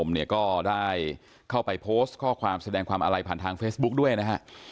ใส่โพสต์ข้อความแสดงความอะไรผ่านทางเฟซบุ๊คด้วยนะครับ